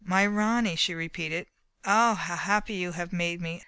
"My Ronny," she repeated. "Ah, how happy you have made me.